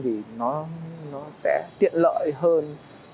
thì nó sẽ tiện lợi hơn